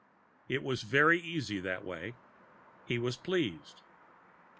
It was very easy that way. He was pleased.